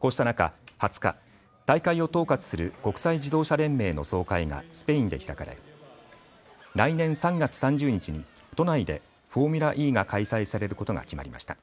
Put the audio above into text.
こうした中、２０日、大会を統括する国際自動車連盟の総会がスペインで開かれ来年３月３０日に都内でフォーミュラＥが開催されることが決まりました。